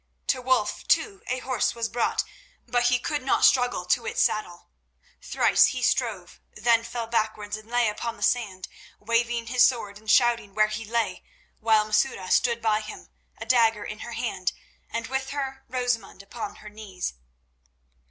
To Wulf, too, a horse was brought, but he could not struggle to its saddle. Thrice he strove, then fell backwards and lay upon the sand, waving his sword and shouting where he lay, while Masouda stood by him, a dagger in her hand, and with her Rosamund upon her knees.